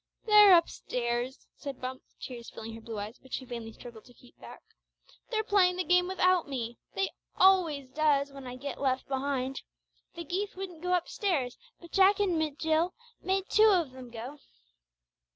"They're upstairs," said Bumps, tears filling her blue eyes, which she vainly struggled to keep back. "They're playing the game without me. They always does when I get left behind. The geeth wouldn't go up stairs, but Jack and Jill made two of them go."